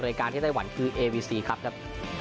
รายการที่ไต้หวันคือเอวีซีครับครับ